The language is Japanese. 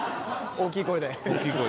大きい声で。